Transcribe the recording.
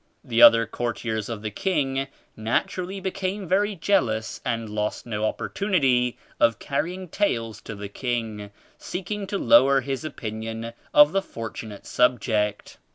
The other courtiers of the king naturally became very jealous and lost po opportunity of 109 carrying tales to the king, seeking to lower his opinion of the fortunate subject.